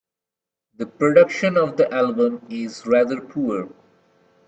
The production of the album is rather poor.